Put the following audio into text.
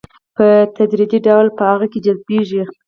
په تدريجي ډول په هغه کې جذبيږي.